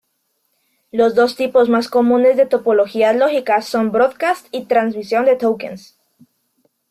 Los dos tipos más comunes de topologías lógicas son "broadcast" y transmisión de "tokens".